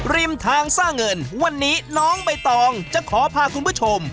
ริมทางสร้างเงินวันนี้น้องใบตองจะขอพาคุณผู้ชม